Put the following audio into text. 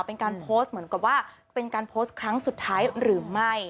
เป็นการโพสต์เหมือนกับว่าเป็นการโพสต์ครั้งสุดท้ายหรือไม่